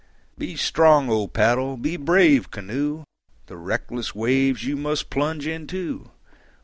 Be strong, O paddle! be brave, canoe! The reckless waves you must plunge into.